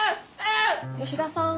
吉田さん。